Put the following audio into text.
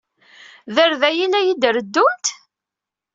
D arday ay la iyi-treddumt?